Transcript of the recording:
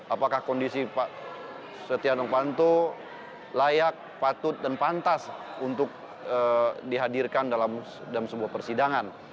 apakah kondisi pak setia novanto layak patut dan pantas untuk dihadirkan dalam sebuah persidangan